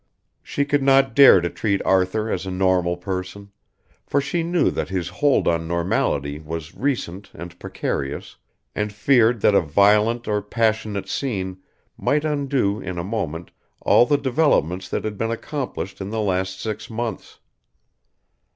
She could not dare to treat Arthur as a normal person, for she knew that his hold on normality was recent and precarious, and feared that a violent or passionate scene might undo in a moment all the developments that had been accomplished in the last six months.